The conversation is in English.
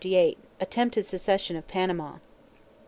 Attempted secession of Panama.